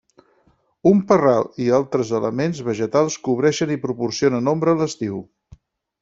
Un parral i altres elements vegetals cobreixen i proporcionen ombra a l'estiu.